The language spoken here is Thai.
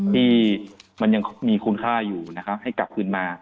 ที่มันยังมีคุณค่าอยู่นะครับให้กลับคืนมา